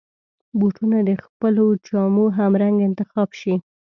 بوټونه د خپلو جامو همرنګ انتخاب شي.